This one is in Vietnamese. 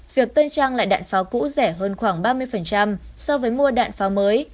việc tân trang lại đạn pháo cũ rẻ hơn khoảng ba mươi so với mua đạn pháo mới